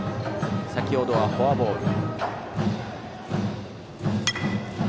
先ほどはフォアボール。